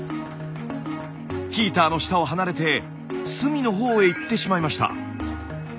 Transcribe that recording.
ヒーターの下を離れて隅の方へ行ってしまいました。